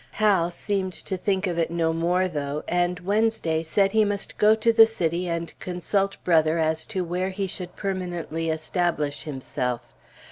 Hal seemed to think of it no more, though, and Wednesday said he must go to the city and consult Brother as to where he should permanently establish himself.